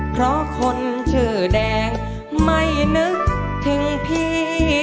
เพราะคนชื่อแดงไม่นึกถึงพี่